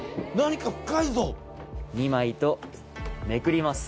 ２枚とめくります。